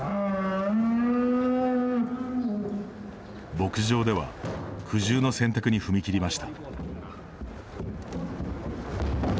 牧場では、苦渋の選択に踏み切りました。